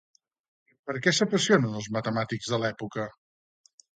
Per què s'apassionen els matemàtics de l'època?